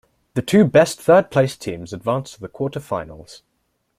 The two best third-placed teams advanced to the quarter-finals.